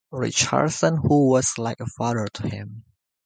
Richardson, who was like a father to him.